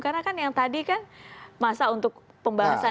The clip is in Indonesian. karena kan yang tadi kan masa untuk pembalasan